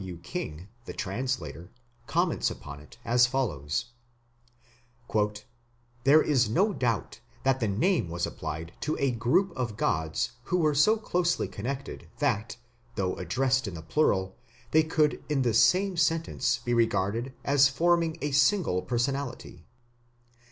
L.W. King, the translator, comments upon it as follows: "There is no doubt that the name was applied to a group of gods who were so closely connected that, though addressed in the plural, they could in the same sentence be regarded as forming a single personality".